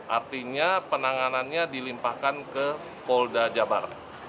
artinya penanganannya dilimpahkan ke polda jabar